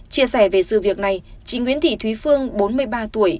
chia sẻ về sự việc này chị nguyễn thị thúy phương bốn mươi ba tuổi